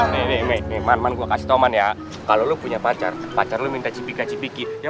nih nih nih man man gua kasih tau man ya kalau lo punya pacar pacar lo minta cipika cipiki ya